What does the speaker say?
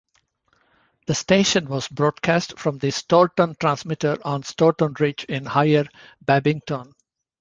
The station was broadcast from the Storeton transmitter on Storeton ridge in Higher Bebington.